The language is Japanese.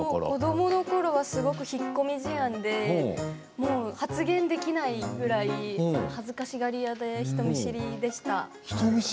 子どものころは引っ込み思案で発言できないぐらい恥ずかしがり屋で人見知りでした。